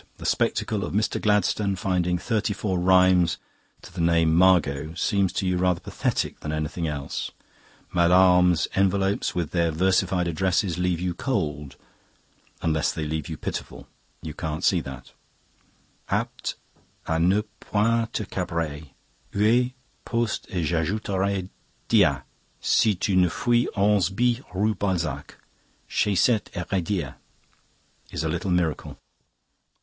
The spectacle of Mr. Gladstone finding thirty four rhymes to the name 'Margot' seems to you rather pathetic than anything else. Mallarmé's envelopes with their versified addresses leave you cold, unless they leave you pitiful; you can't see that 'Apte à ne point te cabrer, hue! Poste et j'ajouterai, dia! Si tu ne fuis onze bis Rue Balzac, chez cet Hérédia,' is a little miracle."